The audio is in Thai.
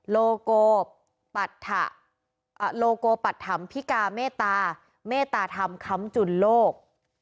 โลโกปัฐธรรมพิกาเมตตาเมตตาธรรมคำจุลโลก